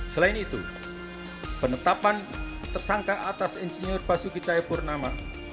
selain itu penetapan tersangka atas insinyur basuki cahayapurnama